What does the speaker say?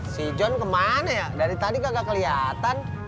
si john ke mana ya dari tadi kagak keliatan